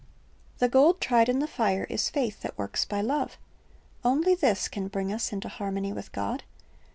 "* The gold tried in the fire is faith that works by love. Only this can bring us into harmony with God.